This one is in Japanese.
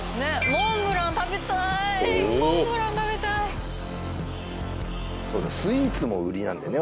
モンブラン食べたいモンブラン食べたいそうだスイーツも売りなんだよね